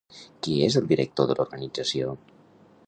Qui és el director de l'organització?